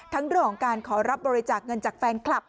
ทั้งด้วยของการขอรับบริจาคเงินจากแฟนคลับ